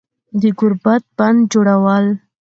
د گوربت بندجوړول